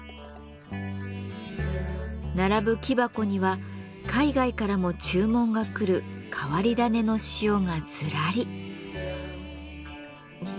並ぶ木箱には海外からも注文が来る変わり種の塩がずらり。